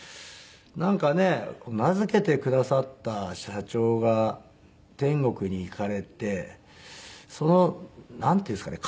なんかね名付けてくださった社長が天国に行かれてそのなんていうんですかね